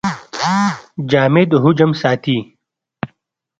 جامد حجم ساتي.